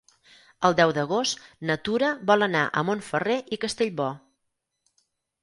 El deu d'agost na Tura vol anar a Montferrer i Castellbò.